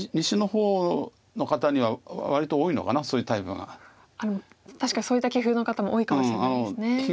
でも確かにそういった棋風の方も多いかもしれないですね。